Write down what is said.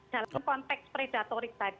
dalam konteks predatorik tadi